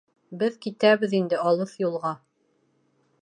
Беҙ китәбеҙ инде алыҫ юлға